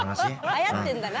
はやってんだな。